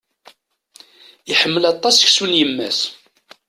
Iḥemmel aṭas seksu n yemma-s.